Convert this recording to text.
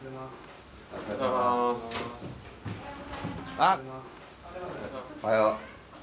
あっおはよう。